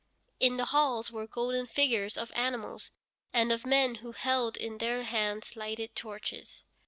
In the halls were golden figures of animals, and of men who held in their hands lighted torches.